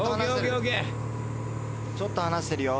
ちょっと離してるよ。